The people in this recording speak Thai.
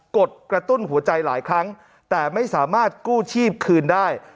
กดกระตุ้นหัวใจหลายครั้งแต่ไม่สามารถกู้ชีพคืนได้